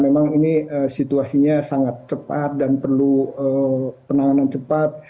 memang ini situasinya sangat cepat dan perlu penanganan cepat